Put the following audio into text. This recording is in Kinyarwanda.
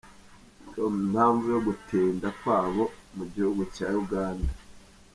com impamvu yo gutinda kwabo mu gihugu cya Uganda.